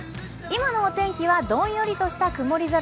今のお天気は、どんよりとした曇り空。